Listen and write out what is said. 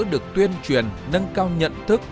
được tuyên truyền nâng cao nhận thức